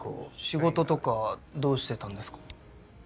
仕事とかどうしてたんですか？